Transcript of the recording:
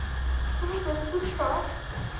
তুমি প্রস্তুত তো?